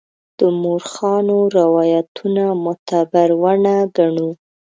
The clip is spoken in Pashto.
د مورخانو روایتونه معتبر ونه ګڼو.